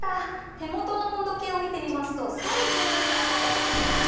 手元の温度計を見てみますと３７度を超えています。